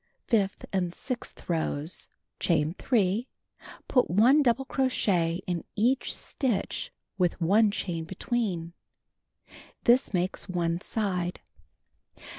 Fifth and sixth rows: Chain 3. Put 1 double crochet in each stitch with 1 chain between. This makes one side.